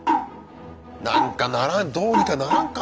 なんかならんどうにかならんか？